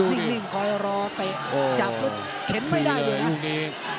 นิ่งคอยรอแต่จับรถเข็มไม่ได้เลยนะ